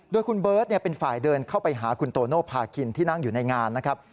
โดยคุณเบิร์ตเป็นฝ่ายเดินเข้าไปหาคุณโตโนภาคินที่นั่งอยู่ในงานนะครับ